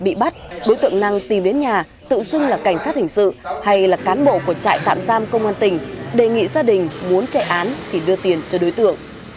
bị bắt đối tượng năng tìm đến nhà tự xưng là cảnh sát hình sự hay là cán bộ của trại tạm giam công an tỉnh đề nghị gia đình muốn chạy án thì đưa tiền cho đối tượng